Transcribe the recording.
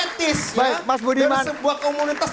etis dari sebuah komunitas